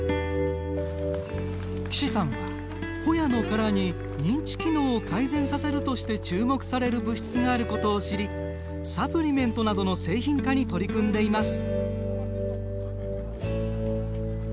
岸さんは、ホヤの殻に認知機能を改善させるとして注目される物質があることを知りサプリメントなどの製品化に取り組んでいます。